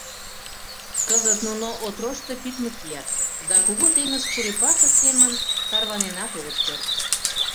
Кызыт нуно отрошто пидме кият да кугу теҥыз черепахе семын тарваненат огыт керт.